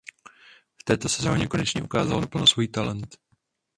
V této sezoně konečně ukázal naplno svůj talent.